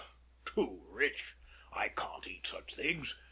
Too rich: I can't eat such things.